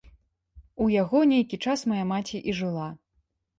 У яго нейкі час мая маці і жыла.